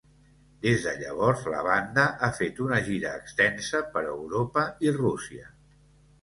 Des de llavors, la banda ha fet una gira extensa per Europa i Rússia.